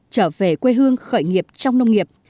trở về quê hương khởi nghiệp trong nông nghiệp